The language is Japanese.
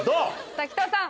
滝藤さん！